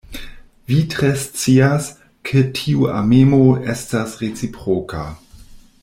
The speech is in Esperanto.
Vi tre scias, ke tiu amemo estas reciproka.